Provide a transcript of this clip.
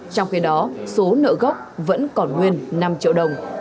trong khi đó số nợ gốc vẫn còn nguyên năm triệu đồng